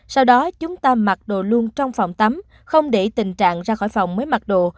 sau đó chúng ta mặc đồ luôn trong phòng tắm không để tình trạng ra khỏi phòng mới mặc đồ